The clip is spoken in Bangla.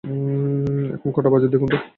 এখন কটা বাজে দেখুন তো।